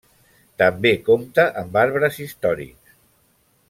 També compta amb arbres històrics.